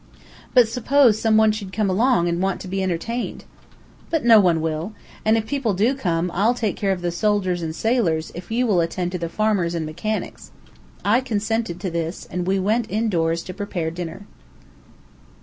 "But suppose some one should come along and want to be entertained?" "But no one will. And if people do come, I'll take care of the soldiers and sailors, if you will attend to the farmers and mechanics." I consented to this, and we went in doors to prepare dinner.